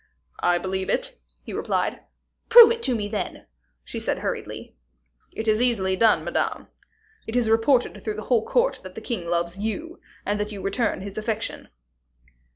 "I believe it," he replied. "Prove it to me, then," she said, hurriedly. "It is easily done, Madame. It is reported through the whole court that the king loves you, and that you return his affection."